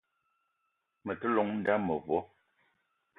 Me te llong n'da mevo.